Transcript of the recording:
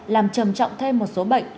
làm trầm trọng thêm một số bệnh